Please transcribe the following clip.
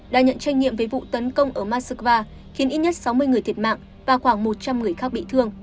đã nhận tranh nghiệm với vụ tấn công ở moskva khiến ít nhất sáu mươi người thiệt mạng và khoảng một trăm linh người khác bị thương